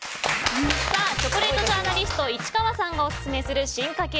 チョコレートジャーナリスト市川さんさんがオススメする進化系